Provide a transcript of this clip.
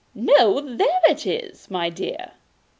'No, there it is, my dear!